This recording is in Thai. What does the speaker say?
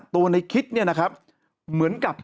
ในคิดเนี่ยนะครับเหมือนกับ